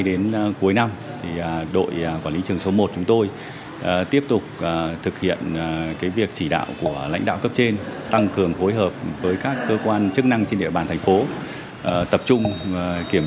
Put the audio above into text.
để tránh bị phát hiện